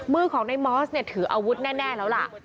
มือของในมอสเนี่ยถืออาวุธแน่แล้วล่ะ